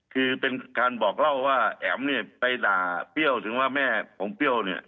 คือเป็นการบอกเล่าว่าแอ๋มเนี่ยไปด่าเปรี้ยวถึงว่าแม่ของเปรี้ยวเนี่ย